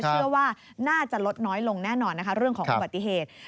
เชื่อว่าน่าจะลดน้อยลงแน่นอนนะคะเรื่องของอุบัติเหตุ